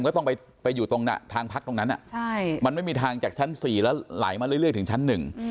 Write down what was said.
ก็ต้องไปอยู่ตรงทางพักตรงนั้นมันไม่มีทางจากชั้น๔แล้วไหลมาเรื่อยถึงชั้นหนึ่ง